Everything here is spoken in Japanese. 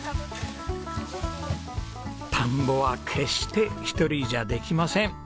田んぼは決して１人じゃできません。